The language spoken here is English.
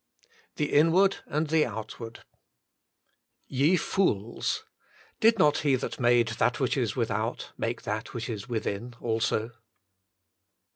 XXV THE INWARD AND THE OUTWAKD " Ye fools, did not He that made that which is with out make that which is within also."